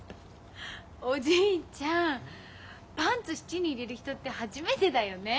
おじいちゃんパンツ質に入れる人って初めてだよね。